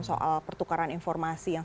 soal pertukaran informasi yang